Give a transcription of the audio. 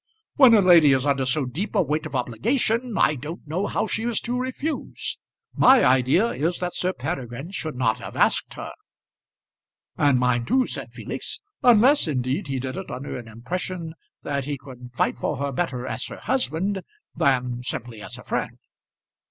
"When a lady is under so deep a weight of obligation I don't know how she is to refuse. My idea is that Sir Peregrine should not have asked her." "And mine too," said Felix. "Unless indeed he did it under an impression that he could fight for her better as her husband than simply as a friend."